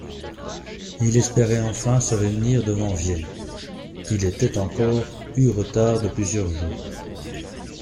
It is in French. Il espérait enfin se réunir devant Vienne ; il était encore eu retard de plusieurs jours.